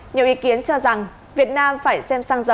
nhiều ý kiến cho rằng việt nam phải xem xăng dầu